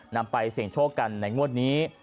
นำไปเสี่ยงโชคกันในงวดนี้